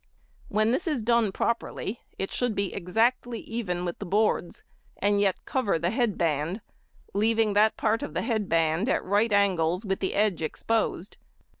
When this is done properly it should be exactly even with the boards, and yet cover the head band, leaving that part of the head band at right angles with the edge exposed.